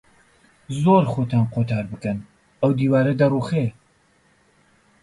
زوو خۆتان قوتار بکەن، ئەو دیوارە دەڕووخێ.